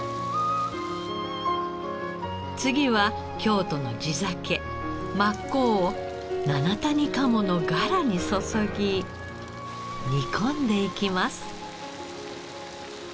次は京都の地酒真向を七谷鴨のガラに注ぎ煮込んでいきます。